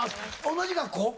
同じ学校？